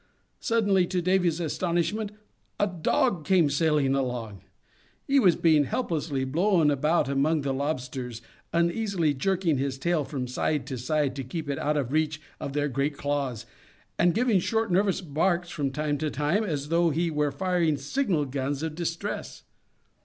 Suddenly, to Davy's astonishment, a dog came sailing along. He was being helplessly blown about among the lobsters, uneasily jerking his tail from side to side to keep it out of reach of their great claws, and giving short, nervous barks from time to time, as though he were firing signal guns of distress.